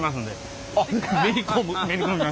めり込む。